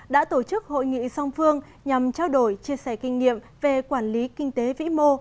đã tổ chức hội nghị song phương nhằm trao đổi chia sẻ kinh nghiệm về quản lý kinh tế vĩ mô